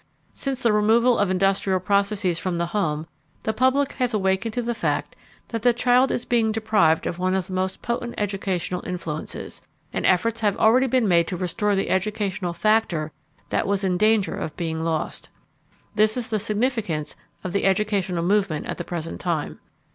Since the removal of industrial processes from the home the public has awakened to the fact that the child is being deprived of one of the most potent educational influences, and efforts have already been made to restore the educational factor that was in danger of being lost. This is the significance of the educational movement at the present time.